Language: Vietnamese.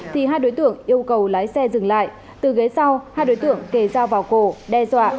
thì hai đối tượng yêu cầu lái xe dừng lại từ ghế sau hai đối tượng kề dao vào cổ đe dọa